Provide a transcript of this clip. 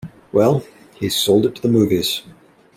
Well, he sold it to the movies.